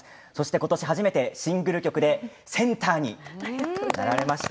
今年、初めてシングル曲でセンターになりました。